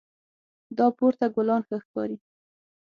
دا پورته ګلان ښه ښکاري